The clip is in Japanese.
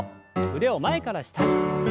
腕を前から下に。